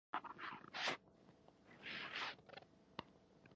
زه د جملو په لیکلو او سمولو نه ستړې کېدم.